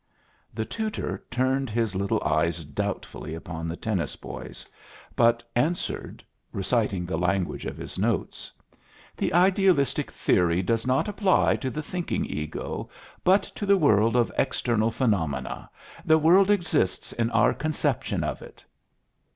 The tutor turned his little eyes doubtfully upon the tennis boys, but answered, reciting the language of his notes: "The idealistic theory does not apply to the thinking ego, but to the world of external phenomena. The world exists in our conception of it.